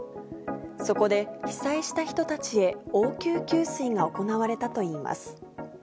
そこで被災した人たちへ、応急給水が行われたといいます。